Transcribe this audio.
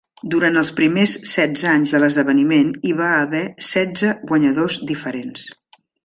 Durant els primers setze anys de l'esdeveniment, hi va haver setze guanyadors diferents.